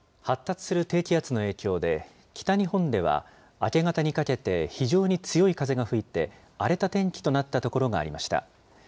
発達する低気圧の影響で、北日本では明け方にかけて、非常に強い風が吹いて、荒れた天気となった所がありました。